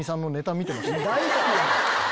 大好きやん！